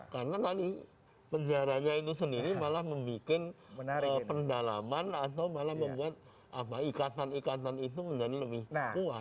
karena tadi penjaranya itu sendiri malah membuat pendalaman atau malah membuat ikatan ikatan itu menjadi lebih kuat